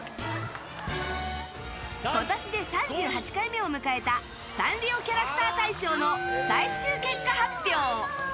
今年で３８回目を迎えたサンリオキャラクター大賞の最終結果発表。